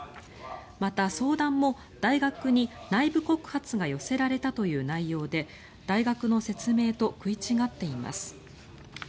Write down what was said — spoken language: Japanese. また、相談も大学に内部告発が寄せられたという内容で大学の説明と食い違っています。